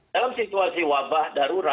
dalam situasi wabah darurat